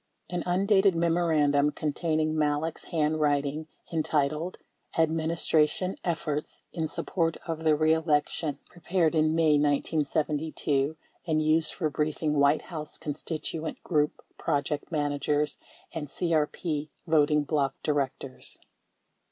An undated memorandum containing Malek's handwriting en titled "Administration Efforts In Support Of The Be election" pre pared in May 1972, and used for briefing White House constituent group project managers and CEP voting bloc directors.